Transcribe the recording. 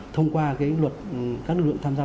thông qua cái luật các lực lượng tham gia